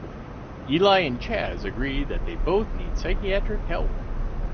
Eli and Chas agree that they both need psychiatric help.